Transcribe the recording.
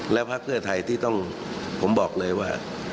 แล้วพักเพื่อไทยที่ต้องผมบอกเลยว่า